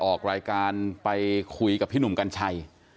ออกรายการไปคุยกับพี่หนุ่มกัญชัย